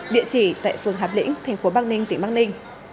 địa chỉ tại phường hạp lĩnh thành phố bắc ninh tỉnh bắc ninh